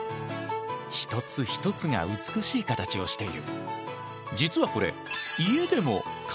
一つ一つが美しい形をしている。